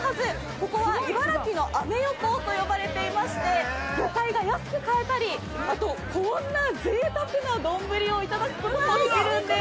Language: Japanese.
ここは茨城のアメ横と呼ばれていまして魚介が安く買えたりあと、こんなぜいたくな丼をいただくこともできるんです。